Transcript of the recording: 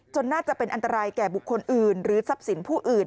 น่าจะเป็นอันตรายแก่บุคคลอื่นหรือทรัพย์สินผู้อื่น